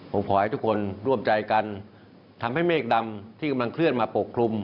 ผมขอให้ทุกคนร่วมใจกันทำให้เมฆดำที่กำลังเคลื่อนมาปกคลุม